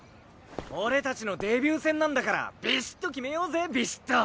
俺たちのデビュー戦なんだからビシッと決めようぜビシッと！